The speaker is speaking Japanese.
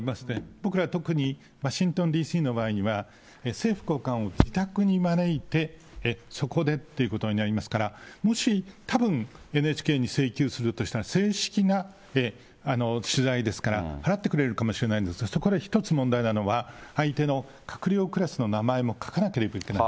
僕ら特に、ワシントンＤＣの場合は、政府高官を自宅に招いて、そこでっていうことになりますから、もしたぶん、ＮＨＫに請求するとしたら、正式な取材ですから、払ってくれるかもしれないんですが、そこで一つ問題なのは、相手の閣僚クラスの名前も書かなければいけない。